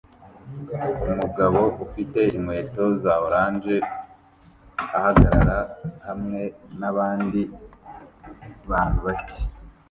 Umugabo ufite inkweto za orange ahagarara hamwe nabandi bantu bake